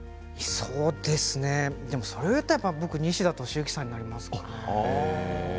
そうですねそれを言ったら、僕は西田敏行さんになりますね。